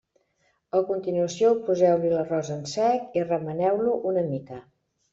A continuació poseu-hi l'arròs en sec i remeneu-lo una mica.